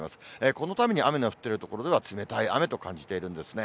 このために雨の降っている所では冷たい雨と感じているんですね。